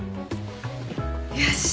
よし！